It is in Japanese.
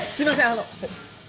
あの。